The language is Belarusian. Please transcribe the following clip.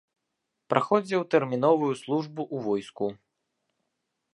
Праходзіў тэрміновую службу ў войску.